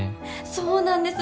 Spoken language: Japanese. そうなんです